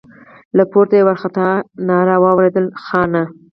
له پورته يې وارخطا ناره واورېده: خانه!